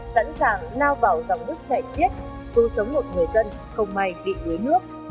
sẵn sàng lao vào dòng đứt chạy xiết cứu sống một người dân không may bị đuối nước